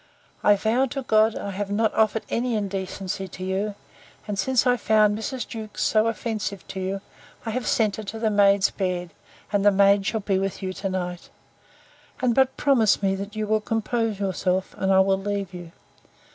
I vow to God, I have not offered any indecency to you: and, since I found Mrs. Jewkes so offensive to you, I have sent her to the maid's bed, and the maid shall be with you to night. And but promise me, that you will compose yourself, and I will leave you.